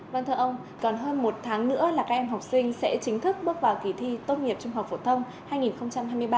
vâng thưa ông còn hơn một tháng nữa là các em học sinh sẽ chính thức bước vào kỳ thi tốt nghiệp trung học phổ thông hai nghìn hai mươi ba